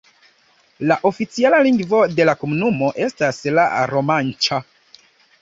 La oficiala lingvo de la komunumo estas la romanĉa.